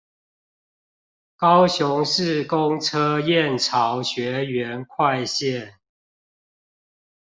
高雄市公車燕巢學園快線